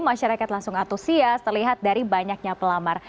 masyarakat langsung antusias terlihat dari banyaknya pelamar